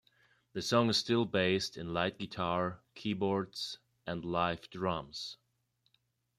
The song is still based in light guitar, keyboards and live drums.